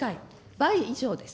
倍以上です。